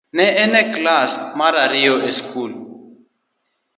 Ne an e klas mar ariyo e skul.